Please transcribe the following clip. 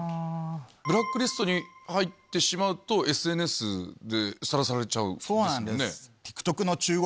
ブラックリストに入ってしまうとＳＮＳでさらされちゃうんですもんね？